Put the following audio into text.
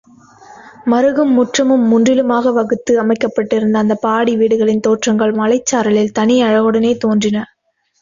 மறுகும் முற்றமும் முன்றிலுமாக வகுத்து அமைக்கப்பட்டிருந்த அந்தப் பாடி வீடுகளின் தோற்றங்கள் மலைச்சாரலில் தனி அழகுடனே தோன்றின.